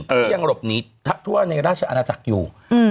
ที่ยังหลบหนีทั่วในราชอาณาจักรอยู่